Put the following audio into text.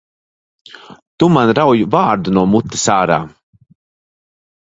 Tu man rauj vārdu no mutes ārā!